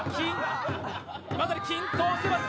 まさにきっ抗しています。